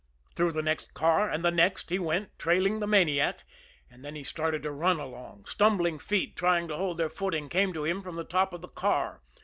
Through the next car and the next he went, trailing the maniac; and then he started to run again. Stumbling feet, trying to hold their footing, came to him from the top of the car.